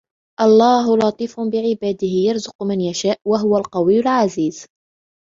الله لطيف بعباده يرزق من يشاء وهو القوي العزيز